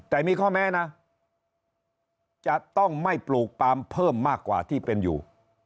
แต่มีข้อแม้นะจะต้องไม่ปลูกปลามเพิ่มมากกว่าที่เป็นอยู่